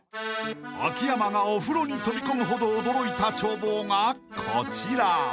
［秋山がお風呂に飛び込むほど驚いた眺望がこちら］